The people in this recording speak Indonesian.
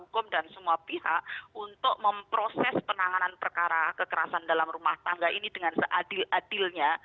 hukum dan semua pihak untuk memproses penanganan perkara kekerasan dalam rumah tangga ini dengan seadil adilnya